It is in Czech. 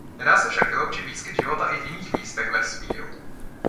Nedá se však vyloučit výskyt života i v jiných místech vesmíru.